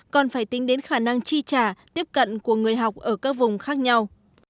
còn phải tính đến khả năng chi trả tiếp cận của người học ở các vùng khác nhau